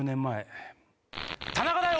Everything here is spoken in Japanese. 田中だよ！